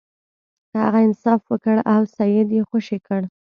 هغه انصاف وکړ او سید یې خوشې کړ.